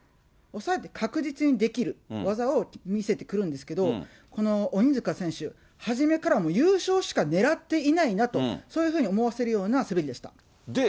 抑えて確実にできる技を見せてくるんですけど、この鬼塚選手、初めから優勝しかねらっていないなと、そういうふうに思わせるような滑りでした。